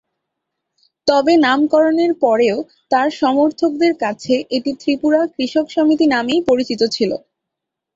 তবে নামকরণের পরেও তার সমর্থকদের কাছে এটি ত্রিপুরা কৃষক সমিতি নামেই পরিচিত ছিল।